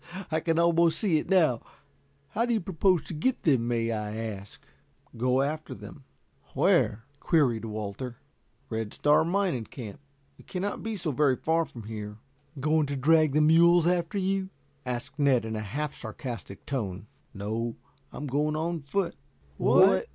"Yes, I can almost see it now. How do you propose to get them, may I ask?" "Go after them." "Where?" queried Walter. "Red Star mining camp. It cannot be so very far from here." "Going to drag the mules after you?" asked Ned in a half sarcastic tone. "No, I'm going on foot." "What!"